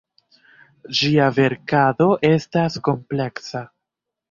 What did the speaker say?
Ŝia verkado estas kompleksa.